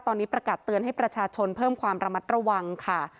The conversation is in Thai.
ตอนนี้ประกาศเตือนให้ประชาชนเพิ่มความระมัดระวังค่ะ